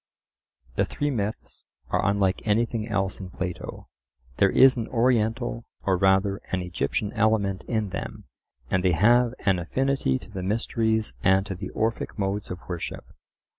The three myths are unlike anything else in Plato. There is an Oriental, or rather an Egyptian element in them, and they have an affinity to the mysteries and to the Orphic modes of worship.